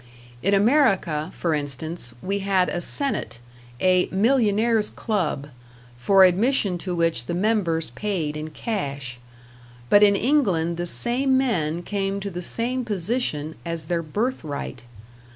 In America, for instance, we had a Senate, a "Millionaire's Club", for admission to which the members paid in cash; but in England the same men came to the same position as their birth right.